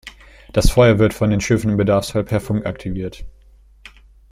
Das Feuer wird von den Schiffen im Bedarfsfall per Funk aktiviert.